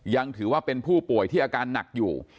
ยังถือว่าเป็นผู้ป่วยที่อาการหนักอยู่